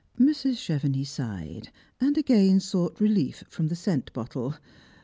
_ Mrs. Chev '?nix sighed, and again sought relief from_ the Bcent bottle, .